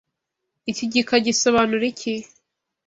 Iki gika gisobanura iki?